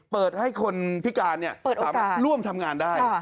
เปิดให้คนพิการสามารถร่วมทำงานได้